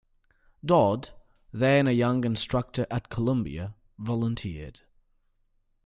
Dodd, then a young instructor at Columbia, volunteered.